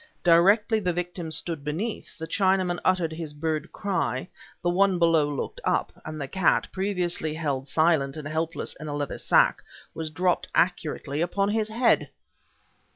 Directly the victim stood beneath, the Chinaman uttered his bird cry; the one below looked up, and the cat, previously held silent and helpless in the leather sack, was dropped accurately upon his head!"